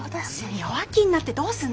弱気になってどうすんの！